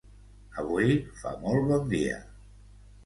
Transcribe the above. Avui fa molt bon dia